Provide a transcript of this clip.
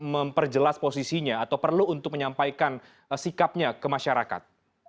memperjelas posisinya atau perlu untuk menyampaikan sikapnya ke masyarakat